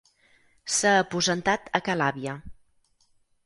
S'ha aposentat a ca l'àvia.